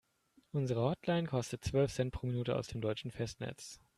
Unsere Hotline kostet zwölf Cent pro Minute aus dem deutschen Festnetz.